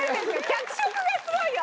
脚色がすごいよ。